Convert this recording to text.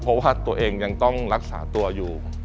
เพราะว่าตัวเองยังต้องรักษาตัวอยู่